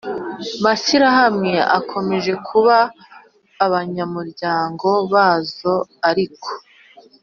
mashyirahamwe bakomeje kuba abanyamuryango bazo Ariko